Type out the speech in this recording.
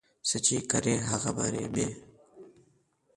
څه چي کرې، هغه به رېبې.